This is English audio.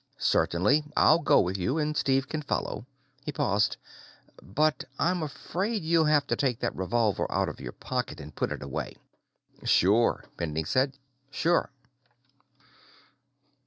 "Certainly. I'll go with you, and Steve can follow." He paused. "But I'm afraid you'll have to take that revolver out of your pocket and put it away." "Sure," Bending said. "Sure."